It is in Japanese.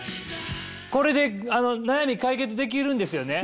これで悩み解決できるんですよね？